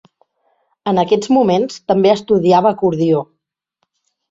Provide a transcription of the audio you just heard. En aquests moments també estudiava acordió.